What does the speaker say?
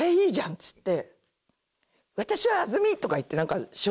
っつって。